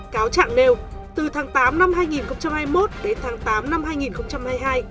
cáo trạng nêu từ tháng tám năm hai nghìn hai mươi một đến tháng tám năm hai nghìn hai mươi hai